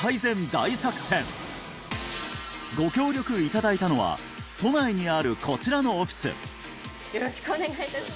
大作戦ご協力いただいたのは都内にあるこちらのオフィスよろしくお願いいたします